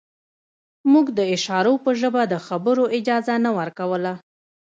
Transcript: موږ د اشارو په ژبه د خبرو اجازه نه ورکوله